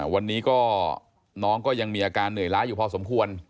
วันนี้ก็น้องก็ยังมีอาการเหนื่อยล้าอยู่พอสมควร